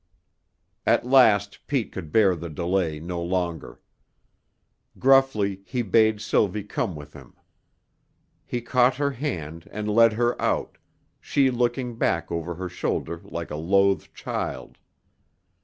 At last Pete could bear the delay no longer. Gruffly he bade Sylvie come with him. He caught her hand and led her out, she looking back over her shoulder like a loath child.